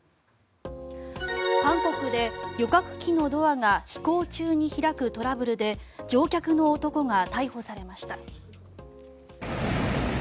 韓国で旅客機のドアが飛行中に開くトラブルで乗客の男が逮捕されました。